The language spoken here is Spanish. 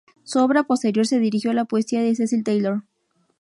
Su obra posterior se dirigió a la poesía de Cecil Taylor.